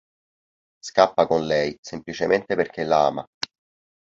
Scappa con lei semplicemente perché la ama.